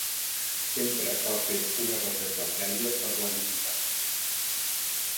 Sempre cal fer una reserva prèvia per la visita.